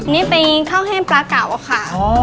นี่เป็นข้าวแห้งปลาเก่าค่ะ